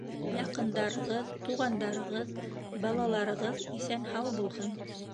Яҡындарығыҙ, туғандарығыҙ, балаларығыҙ иҫән-һау булһын.